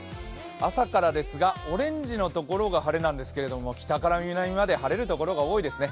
朝からですが、オレンジのところが晴れなんですけれども北から南まで晴れるところが多いですね。